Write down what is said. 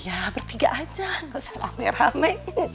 iya bertiga aja gak usah rame rame